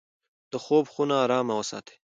د خوب خونه ارامه وساتئ.